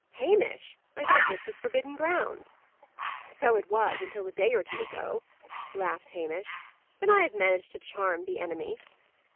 "Hamish! I thought this was forbidden ground!" "So it was, until a day or two ago," laughed Hamish; "but I have managed to charm the enemy."